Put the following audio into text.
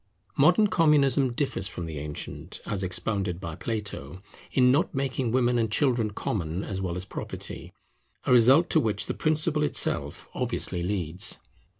Modern Communism differs from the ancient, as expounded by Plato, in not making women and children common as well as property; a result to which the principle itself obviously leads.